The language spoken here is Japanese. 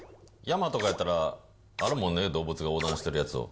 山とかやったら、あるもんね、動物が横断してるやつ。